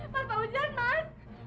mas tau gak mas